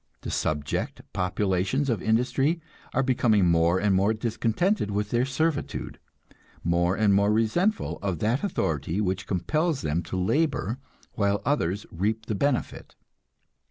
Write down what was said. The subject populations of industry are becoming more and more discontented with their servitude, more and more resentful of that authority which compels them to labor while others reap the benefit.